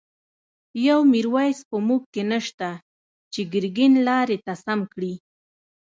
يو” ميرويس ” په موږکی نشته، چی ګر ګين لاری ته سم کړی